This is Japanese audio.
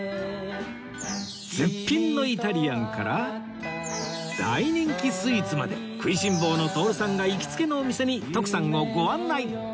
絶品のイタリアンから大人気スイーツまで食いしん坊の徹さんが行きつけのお店に徳さんをご案内